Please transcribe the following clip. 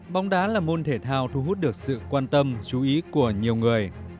bóng đá là môn thể thao thu hút được sự quan tâm chú ý của nhiều người